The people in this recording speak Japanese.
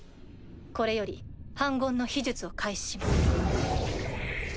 これより反魂の秘術を開始します。